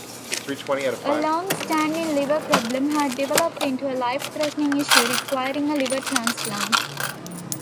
A long-standing liver problem had developed into a life-threatening issue requiring a liver transplant.